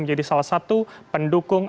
menjadi salah satu pendukung